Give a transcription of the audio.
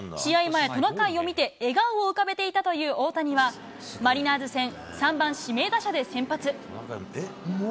前、トナカイを見て、笑顔を浮かべていたという大谷は、マリナーズ戦、３番指名打者で先発。